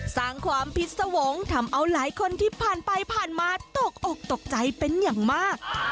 สร้างความพิษสวงศ์ทำเอาหลายคนที่ผ่านไปผ่านมาตกอกตกใจเป็นอย่างมาก